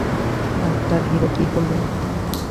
আর তার হিরো কি করল?